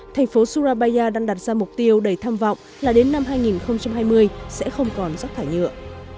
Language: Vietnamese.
thành phố surabaya đang đặt ra mục tiêu đầy tham vọng là đến năm hai nghìn hai mươi sẽ không còn rắc thải nhựa